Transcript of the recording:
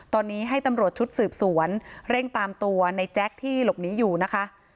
ตอนนี้ให้ตำรวจชุดสืบสวนเร่งตามตัวในแจ๊คที่หลบหนีอยู่นะคะ